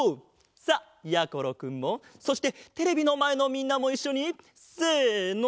さあやころくんもそしてテレビのまえのみんなもいっしょにせの！